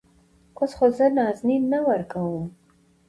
اوس خو زه نازنين نه ورکوم.